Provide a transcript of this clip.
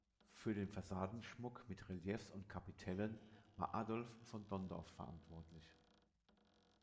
Für den Fassadenschmuck mit Reliefs und Kapitellen war Adolf von Donndorf verantwortlich.